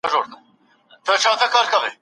د ټولنپوهني کتابونه په دقت سره ولولئ.